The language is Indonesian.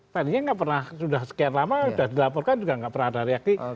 tadinya nggak pernah sudah sekian lama sudah dilaporkan juga nggak pernah ada reaksi